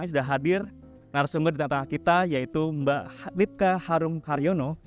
sudah hadir narasumber di tengah tengah kita yaitu mbak lipka harum haryono